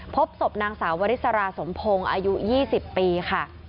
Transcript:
พบศพนางสาววริสราสมพงศ์อายุ๒๐ปีค่ะ